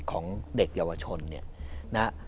ของเด็กเยาวชน